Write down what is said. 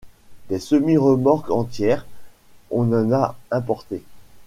Des semi-remorques entières, on en a importé !